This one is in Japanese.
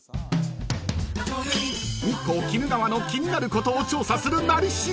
［日光・鬼怒川の気になることを調査する「なり調」］